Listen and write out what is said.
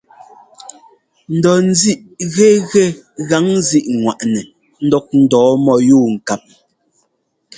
N dɔ ńzíꞌ gɛgɛ gaŋzíꞌŋwaꞌnɛ ńdɔk ndɔɔ mɔ́yúu ŋkáp.